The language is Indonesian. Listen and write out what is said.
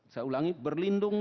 saya ulangi berlindung